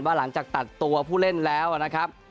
หลังจากตัดตัวผู้เล่นแล้วนะครับ